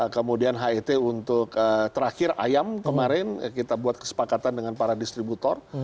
kemudian het untuk terakhir ayam kemarin kita buat kesepakatan dengan para distributor